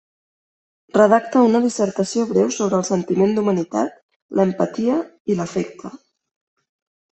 Redacta una dissertació breu sobre el sentiment d'humanitat, l'empatia i l'afecte.